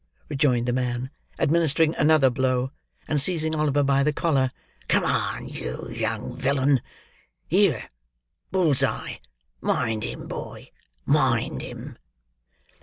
rejoined the man, administering another blow, and seizing Oliver by the collar. "Come on, you young villain! Here, Bull's eye, mind him, boy! Mind him!"